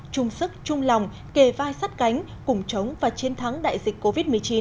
chung sức chung lòng kề vai sắt cánh cùng chống và chiến thắng đại dịch covid một mươi chín